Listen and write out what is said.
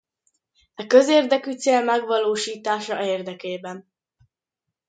E közérdekű cél megvalósítása érdekében.